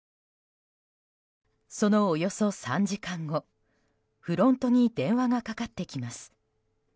そのおよそ３時間後、フロントに電話がかかってきます。